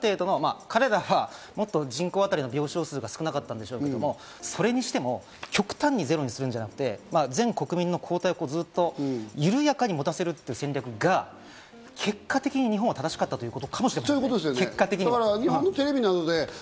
彼らは人口あたりの病床数が少なかったんでしょうけど、それにしても極端にゼロにするんじゃなくて、全国民の抗体をずっと緩やかに持たせるという戦略が結果的に日本は正しかったということかもしれない、結果的には。